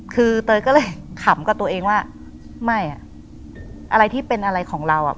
คือเตยก็เลยขำกับตัวเองว่าไม่อ่ะอะไรที่เป็นอะไรของเราอ่ะ